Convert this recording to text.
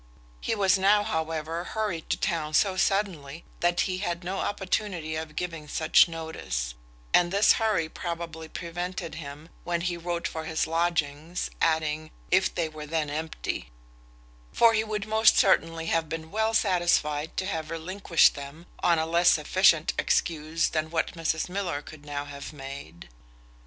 He was now, however, hurried to town so suddenly, that he had no opportunity of giving such notice; and this hurry probably prevented him, when he wrote for his lodgings, adding, if they were then empty; for he would most certainly have been well satisfied to have relinquished them, on a less sufficient excuse than what Mrs Miller could now have made.